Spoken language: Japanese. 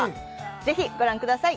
ぜひご覧ください。